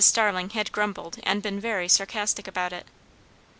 Starling had grumbled and been very sarcastic about it.